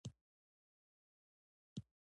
زه د سینما فلمونه خوښوم.